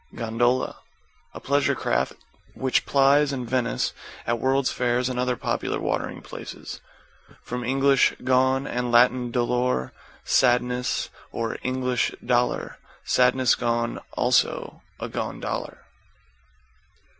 =GONDOLA= A pleasure craft which plies in Venice, at World's Fairs and other popular watering places. From Eng. gone, and Lat. dolor, sadness, or Eng. dollar. Sadness gone; also, a gone dollar.